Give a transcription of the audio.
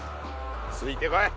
ついてこい。